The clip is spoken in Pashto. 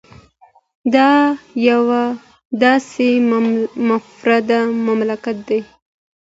دا یو داسې منفرده مملکت دی